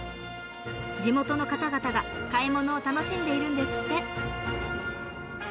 地元の方々が買い物を楽しんでいるんですって。